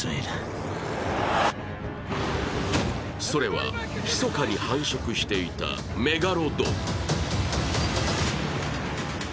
それはひそかに繁殖していたメガロドン。